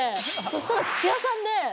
そしたら土屋さんで。